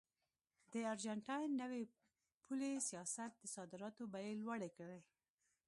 د ارجنټاین نوي پولي سیاست د صادراتو بیې لوړې کړې.